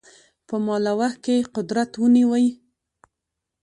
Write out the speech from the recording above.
په مالوه کې قدرت ونیوی.